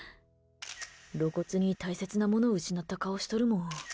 露骨に大切なもの失った顔しとるもん。